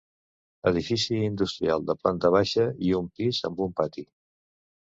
Edifici industrial de planta baixa i un pis, amb un pati.